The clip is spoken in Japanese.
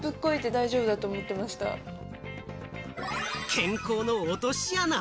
健康の落とし穴？